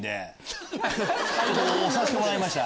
推させてもらいました。